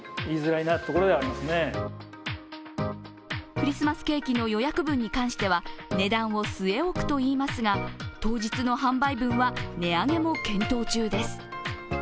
クリスマスケーキの予約分に関しては値段を据え置くといいますが、当日の販売分は値上げも検討中です。